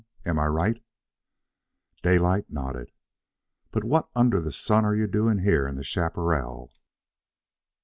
Am I right?" Daylight nodded. "But what under the sun are you doing here in the chaparral?"